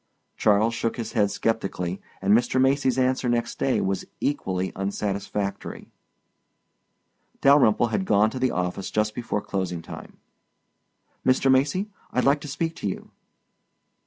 Charles shook his head sceptically and Mr. Macy's answer next day was equally unsatisfactory. Dalyrimple had gone to the office just before closing time. "Mr. Macy, I'd like to speak to you."